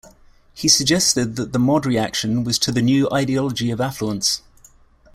He suggested that the Mod reaction was to the new ideology of affluence.